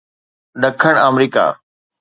ڏکڻ آمريڪا